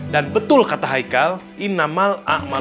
dan betul kata haikal